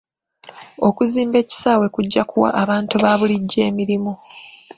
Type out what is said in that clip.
Okuzimba ekisaawe kujja kuwa abantu ba bulijjo emirimu.